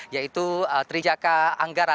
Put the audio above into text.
yaitu trijaka anggara